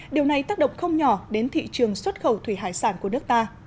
điều này tác động không nhỏ đến thị trường xuất khẩu thủy hải sản của nước ta